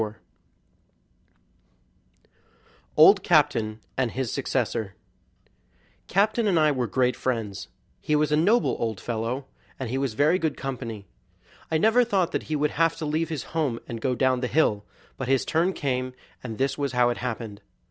44 Old Captain and His Successor Captain and I were great friends. He was a noble old fellow, and he was very good company. I never thought that he would have to leave his home and go down the hill; but his turn came, and this was how it happened.